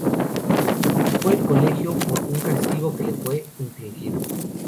Dejó el colegio por un castigo que le fue infligido.